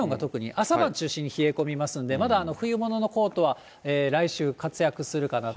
朝晩中心に冷え込みますんで、まだ冬物のコートは来週活躍するかなと。